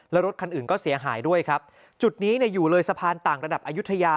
แล้วรถคันอื่นก็เสียหายด้วยครับจุดนี้เนี่ยอยู่เลยสะพานต่างระดับอายุทยา